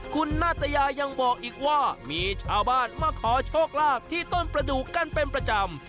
คุณนาตยายังบอกอีกว่ามีชาวบ้านมาขอโชคลาภที่ต้นประดูกกันเป็นประจำ